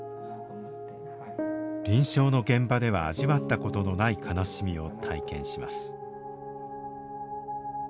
臨床の現場では味わったことのない悲しみを体験します。